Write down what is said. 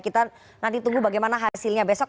kita nanti tunggu bagaimana hasilnya besok